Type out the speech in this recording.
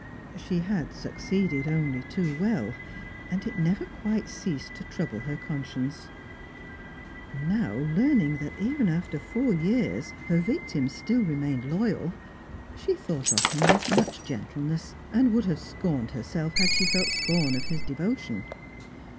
She had succeeded only too well, and it never quite ceased to trouble her conscience. Now, learning that even after four years her victim still remained loyal, she thought of him with much gentleness, and would have scorned herself had she felt scorn of his devotion.